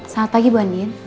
selamat pagi bu andien